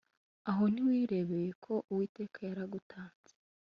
Aho ntiwirebeye ko Uwiteka yari agutanze